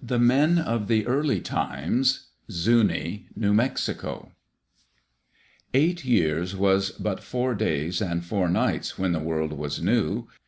The Men of the Early Times Zuni (New Mexico) Eight years was but four days and four nights when the world was new.